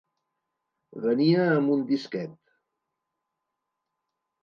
Venia amb un disquet.